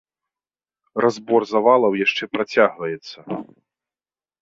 Разбор завалаў яшчэ працягваецца.